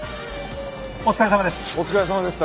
お疲れさまです。